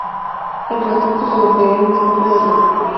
El ratón se convertirá en mascota del grupo.